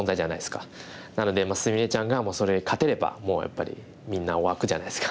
なので菫ちゃんがそれに勝てればもうやっぱりみんな沸くじゃないですか。